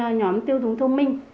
ở trên nhóm tiêu dùng thông minh